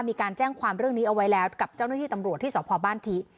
มีการแจ้งความเรื่องนี้เอาไว้แล้วกับเจ้าหน้าที่ตำรวจที่สพบ้านทิ